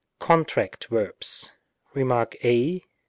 Contract verbs. Rem. a.